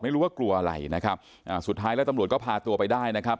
ไม่รู้ว่ากลัวอะไรนะครับอ่าสุดท้ายแล้วตำรวจก็พาตัวไปได้นะครับ